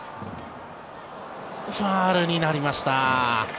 ファウルになりました。